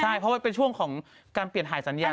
ใช่เพราะว่าเป็นช่วงของการเปลี่ยนหายสัญญา